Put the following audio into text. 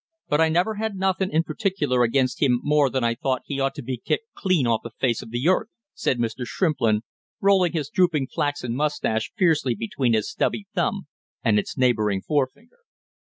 But I never had nothing in particular against him more than I thought he ought to be kicked clean off the face of the earth!" said Mr. Shrimplin, rolling his drooping flaxen mustache fiercely between his stubby thumb and its neighboring forefinger.